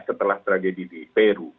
setelah tragedi di peru